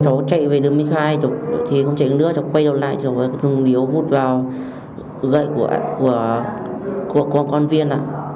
cháu chạy về đường ba mươi hai cháu quay đầu lại cháu dùng điếu vụt vào gậy của con viên